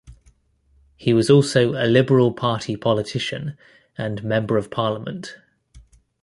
He was also a Liberal Party politician and Member of Parliament.